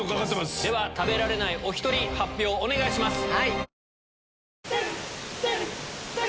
食べられないお１人発表お願いします。